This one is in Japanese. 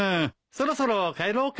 そろそろ帰ろうか。